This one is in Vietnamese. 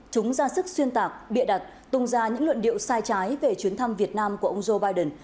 chúng ra sức xuyên tạc bịa đặt tung ra những luận điệu sai trái về chuyến thăm việt nam của ông joe biden